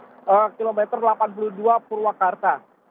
di kilometer delapan puluh dua purwakarta